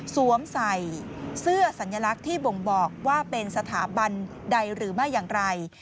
สวมใส่เสื้อสัญลักษณ์ที่บ่งบอกว่าเป็นสถาบันใดหรือไม่อย่างไร